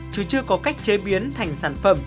chứ chưa có cách chế biến thành sản phẩm